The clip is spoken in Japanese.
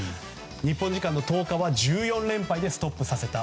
日本時間の１０日は１４連敗でストップさせた。